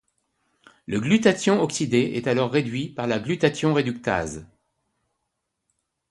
Le glutathion oxydé est alors réduit par la glutathion réductase.